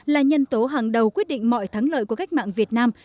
là nhân tố hàng đầu quyết định mọi thắng lợi của cách mạng việt nam